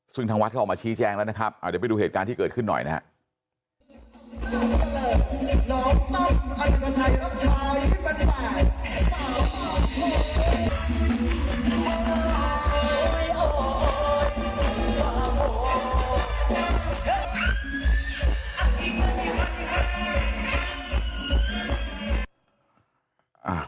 ซึ่งทางวัดเขาออกมาชี้แจงแล้วนะครับเดี๋ยวไปดูเหตุการณ์ที่เกิดขึ้นหน่อยนะครับ